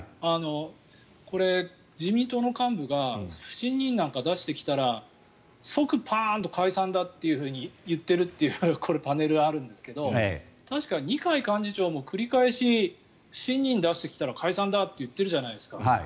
これ、自民党の幹部が不信任なんか出してきたら即パーンと解散だっていうふうに言っているというパネルがあるんですけど確か二階幹事長も繰り返し不信任出してきたら解散だって言っているじゃないですか。